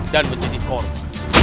dan menjadi korban